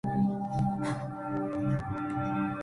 En este palacio se encontró un par de dinteles grabados.